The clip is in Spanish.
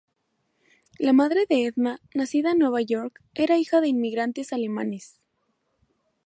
La madre de Edna, nacida en Nueva York, era hija de inmigrantes alemanes.